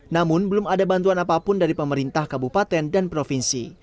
namun belum ada bantuan apapun dari pemerintah kabupaten dan provinsi